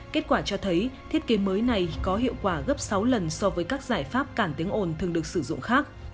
kết quả cho thấy thiết kế mới này có hiệu quả gấp sáu lần so với các giải pháp cản tiếng ồn thường được sử dụng khác